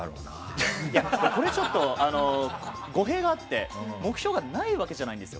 これは語弊があって目標がないわけじゃないんですよ。